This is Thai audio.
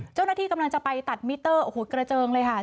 เจ้าหน้าที่กำลังจะไปตัดมิเตอร์โอ้โหกระเจิงเลยค่ะ